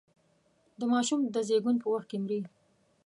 د ماشوم د زېږون په وخت کې مري.